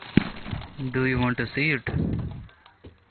Do you want to see it?